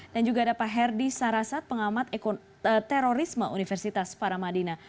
dan juga ada pak herdi sarasat pengamat ekoterorisme universitas paramadina